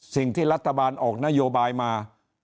สิ่งที่รัฐบาลออกนโยบายมา